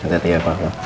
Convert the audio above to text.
kita pergi ya papa